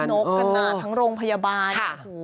นั่งทับนกกันทั้งโรงพยาบาล